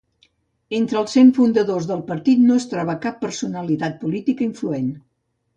Entre els cent fundadors del partit no es troba cap personalitat política influent.